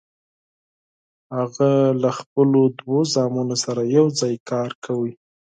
هغه له خپلو دوو زامنو سره یوځای کار کاوه.